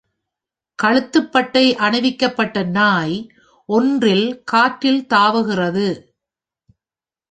கழுத்துப்பட்டை அணிவிக்கப்பட்ட நாய் ஒன்றில் காற்றில் தாவுகிறது.